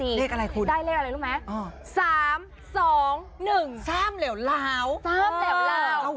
ได้เลขอะไรคุณได้เลขอะไรรู้มั้ย๓๒๑๓เหลวเหลา๓เหลวเหลา